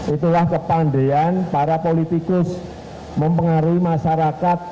itulah kepandean para politikus mempengaruhi masyarakat